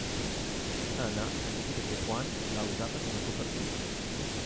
Ana ha capito che Juan l'ha usata come copertura.